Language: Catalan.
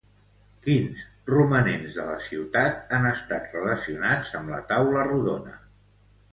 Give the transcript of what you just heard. Quins romanents de la ciutat han estat relacionats amb la taula rodona?